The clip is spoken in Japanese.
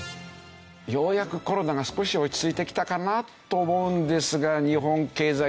ようやくコロナが少し落ち着いてきたかな？と思うんですが日本経済